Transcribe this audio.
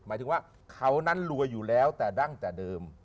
หมายถึงว่าเขานั้นรวยอยู่แล้วแต่ดั้งแต่เดิม